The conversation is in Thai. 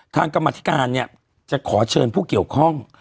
กรรมธิการเนี่ยจะขอเชิญผู้เกี่ยวข้อง